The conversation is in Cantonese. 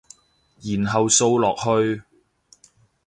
然後掃落去